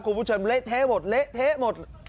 คุณผู้ชมเละเทหมดเหละเทหมด